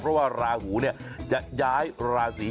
เพราะว่าราหูจะย้ายราศี